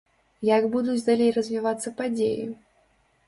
Як будуць далей развівацца падзеі?